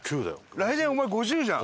来年お前５０じゃん！